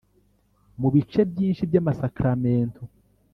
mu bice byinshi by’amasakramentu